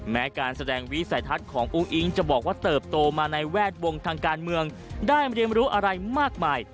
แม้การแสดงวิสัยทัศน์ของอุ้งอิงจะบอกว่าเติบโตมาในแวดวงทางการเมืองได้เรียนรู้อะไรมากมาย